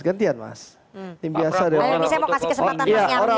gantian mas yang biasa dari orang